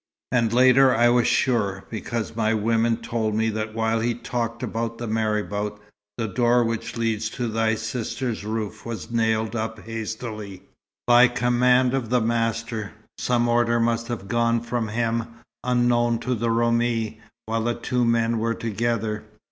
And later I was sure, because my women told me that while he talked with the marabout, the door which leads to thy sister's roof was nailed up hastily, by command of the master. Some order must have gone from him, unknown to the Roumi, while the two men were together.